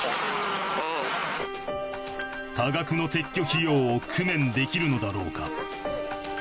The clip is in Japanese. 多額の撤去費用を工面できるのだろうか？